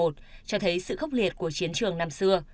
cho thấy sự khốc liệt của chiến trường năm xưa